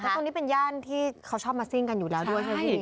ตรงนี้เป็นย่านที่เขาชอบมาซิ่งกันอยู่แล้วด้วยใช่ไหมพี่